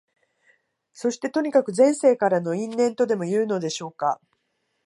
そして、とにかく前世からの因縁とでもいうのでしょうか、